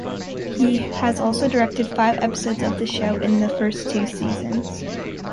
He has also directed five episodes of the show in the first two seasons.